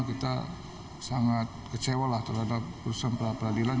kita sangat kecewa lah terhadap urusan pra peradilan